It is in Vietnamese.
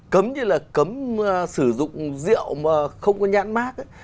cấm như là cấm sử dụng rượu mà không có nhãn mát